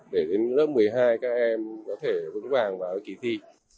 để đến lớp một mươi hai các em có thể vững vàng vào kỳ thi